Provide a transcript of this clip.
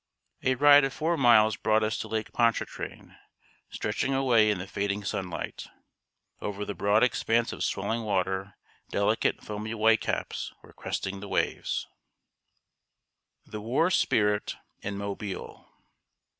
A ride of four miles brought us to Lake Pontchartrain, stretching away in the fading sunlight. Over the broad expanse of swelling water, delicate, foamy white caps were cresting the waves. [Sidenote: THE WAR SPIRIT IN MOBILE.